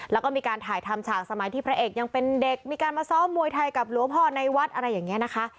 แล้วก็มีการถ่ายทำฉากสมัยที่พระเอกยังเป็นเด็กมีการมาซ้อมมวยไทยกับหลวงพ่อในวัดอะไรอย่างนี้นะคะ